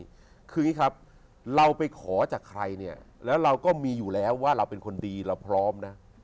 คืออย่างนี้ครับเราไปขอจากใครเนี่ยแล้วเราก็มีอยู่แล้วว่าเราเป็นคนดีเราพร้อมนะ